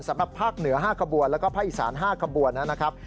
สำหรับภาคเหนือ๕ขบวนแล้วก็ภาคอีสาน๕ขบวนนะครับ